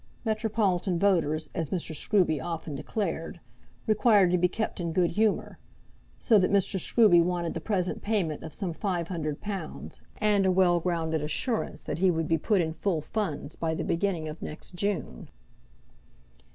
Metropolitan voters, as Mr. Scruby often declared, required to be kept in good humour, so that Mr. Scruby wanted the present payment of some five hundred pounds, and a well grounded assurance that he would be put in full funds by the beginning of next June.